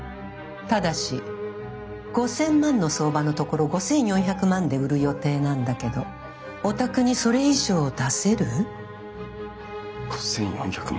ただし５，０００万の相場のところ５，４００万で売る予定なんだけどおたくにそれ以上出せる？５，４００万！？